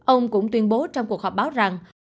ông cũng tuyên bố trong cuộc họp báo rằng